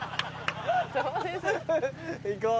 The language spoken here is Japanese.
行こう。